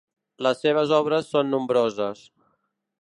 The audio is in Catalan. Les seves obres són nombroses.